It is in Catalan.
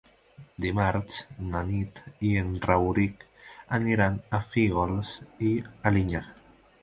Dimarts na Nit i en Rauric aniran a Fígols i Alinyà.